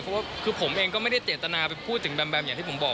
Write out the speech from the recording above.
เพราะว่าคือผมเองก็ไม่ได้เจตนาไปพูดถึงแมมอย่างที่ผมบอก